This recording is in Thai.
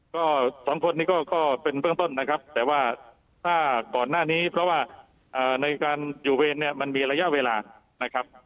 ก็สองคนนี้ก็เป็นเบื้องต้นนะครับแต่ว่าถ้าก่อนหน้านี้เพราะว่าในการอยู่เวรเนี่ยมันมีระยะเวลานะครับ